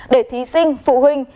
để thí sinh phụ huynh